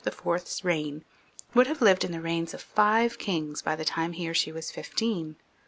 's reign would have lived in the reigns of five kings by the time he or she was fifteen.